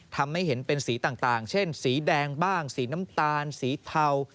ทำให้เห็นเป็นสีต่างเช่นสีแดงบ้างสีน้ำตาลสีเทา